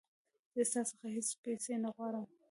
زه ستا څخه هیڅ پیسې نه غواړم.